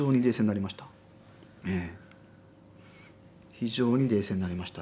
非常に冷静になれました。